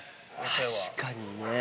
確かにね。